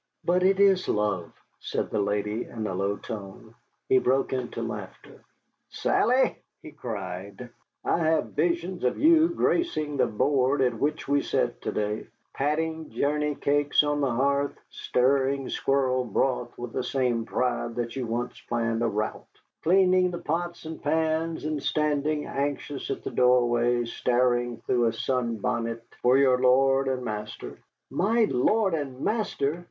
"But it is love," said the lady, in a low tone. He broke into laughter. "Sally," he cried, "I have visions of you gracing the board at which we sat to day, patting journey cakes on the hearth, stewing squirrel broth with the same pride that you once planned a rout. Cleaning the pots and pans, and standing anxious at the doorway staring through a sunbonnet for your lord and master." "My lord and master!"